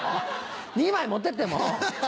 ２枚持ってってもう。